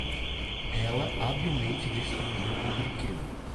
Ela habilmente destruiu o brinquedo.